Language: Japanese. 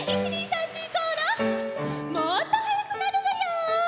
もっとはやくなるわよ。